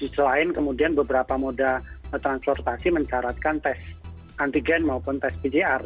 selain kemudian beberapa moda transportasi mencaratkan tes antigen maupun tes pcr